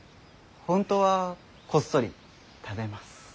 本当はこっそり食べます。